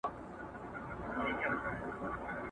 ړانده فال بین مي په تندي کي لمر کتلی نه دی